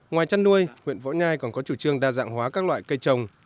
ngoài chăn nuôi huyện võ nhai còn có chủ trương đa dạng hóa các loại cây trồng